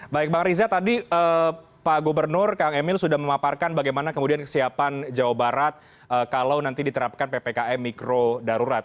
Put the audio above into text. baik bang riza tadi pak gubernur kang emil sudah memaparkan bagaimana kemudian kesiapan jawa barat kalau nanti diterapkan ppkm mikro darurat